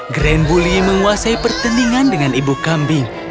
grand bully menguasai pertandingan dengan ibu kambing